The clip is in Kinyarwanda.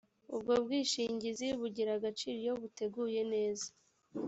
ubwo bwishingizi bugira agaciro iyo buteguye neza